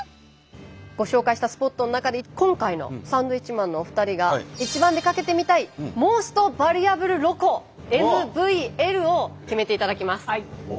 ご紹介したスポットの中で今回のサンドウィッチマンのお二人が一番出かけてみたいＭｏｓｔＶａｌｕａｂｌｅＬｏｃｏＭＶＬを決めていただきます。